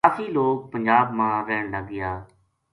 کافی لوک پنجاب ما رہن لگ گیا